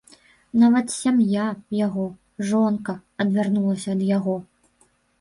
Нават сям'я яго, жонка, адвярнулася ад яго.